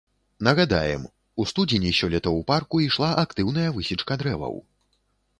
Нагадаем, у студзені сёлета ў парку ішла актыўная высечка дрэваў.